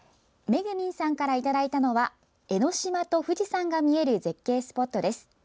めぐみんさんからいただいたのは江の島と富士山が見える絶景スポットです。